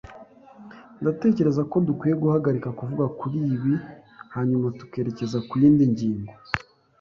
Ndatekereza ko dukwiye guhagarika kuvuga kuri ibi hanyuma tukerekeza ku yindi ngingo.